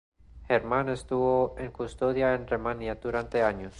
Germán estuvo en custodia en Renania durante años.